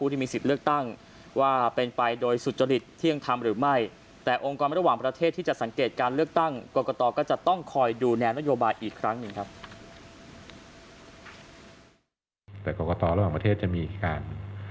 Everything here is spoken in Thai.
แต่กรกตระหว่างประเทศจะมีการ